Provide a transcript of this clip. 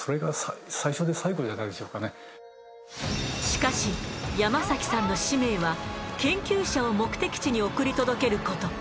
しかし山崎さんの使命は研究者を目的地に送り届ける事。